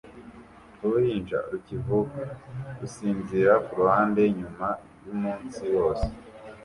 Uruhinja rukivuka rusinzira kuruhande nyuma yumunsi wose